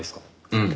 うん。